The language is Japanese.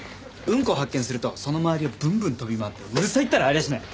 うんこ発見するとその周りをブンブン飛び回ってうるさいったらありゃしない！